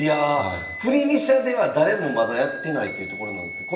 振り飛車では誰もまだやってないっていうところなんですか？